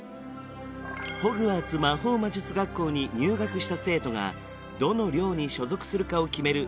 ホグワーツ魔法魔術学校に入学した生徒がどの寮に所属するかを決める